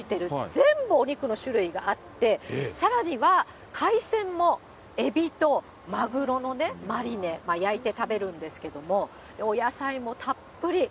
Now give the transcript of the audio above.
全部お肉の種類があって、さらには海鮮も、エビとマグロのマリネ、焼いて食べるんですけども、お野菜もたっぷり。